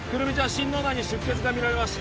心嚢内に出血が見られます